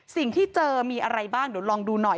สิ่งที่เจอมีอะไรบ้างเดี๋ยวลองดูหน่อย